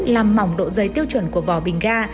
làm mỏng độ giấy tiêu chuẩn của vỏ bình ga